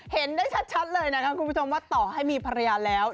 เห็นได้ชัดเลยนะครับคุณผู้ชมว่าต่อให้มีภรรยาแล้ว